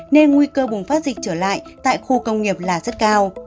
nên nguy cơ bùng phát dịch trở lại tại khu công nghiệp là rất cao